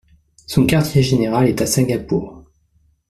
Son quartier-général est à Singapour.